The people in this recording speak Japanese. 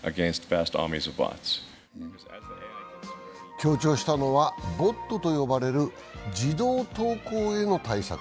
強調したのはボットと呼ばれる自動投稿への対策。